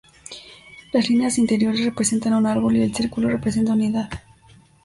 Las líneas interiores representan un árbol y el círculo representa unidad.